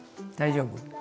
大丈夫？